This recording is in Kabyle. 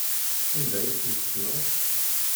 Anda ay ten-tessneḍ?